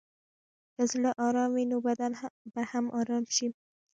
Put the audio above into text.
که زړه ارام وي، نو بدن به هم ارام شي.